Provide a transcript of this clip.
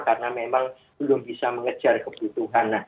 karena memang belum bisa mengejar kebutuhan